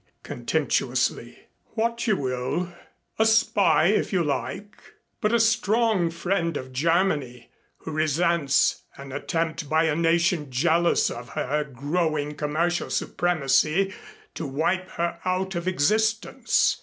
contemptuously. "What you will a spy if you like but a strong friend of Germany who resents an attempt by a nation jealous of her growing commercial supremacy to wipe her out of existence.